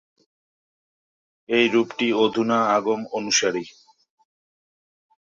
এই রূপটি অধুনা আগম-অনুসারী।